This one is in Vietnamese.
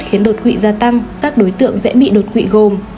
khiến đột quỵ gia tăng các đối tượng dễ bị đột quỵ gồm